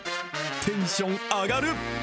テンション上がる。